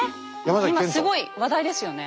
今すごい話題ですよね。